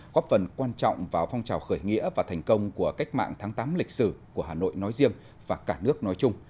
góp phần quan trọng vào phong trào khởi nghĩa và thành công của cách mạng tháng tám lịch sử của hà nội nói riêng và cả nước nói chung